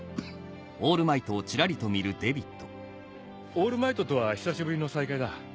オールマイトとは久しぶりの再会だ。